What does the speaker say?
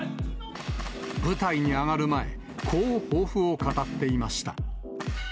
舞台に上がる前、こう抱負を語っていました。